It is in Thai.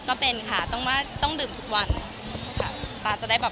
ก็เป็นค่ะต้องว่าต้องดื่มทุกวันค่ะตาจะได้แบบ